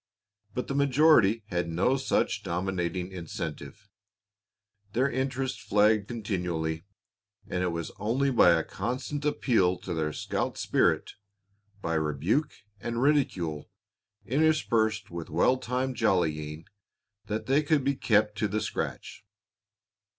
But the majority had no such dominating incentive. Their interest flagged continually, and it was only by a constant appeal to their scout spirit, by rebuke and ridicule, interspersed with well timed jollying, that they could be kept to the scratch.